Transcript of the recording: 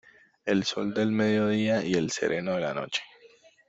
El sol del mediodía y el sereno de la noche.